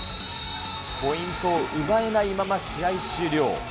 ポイントを奪えないまま試合終了。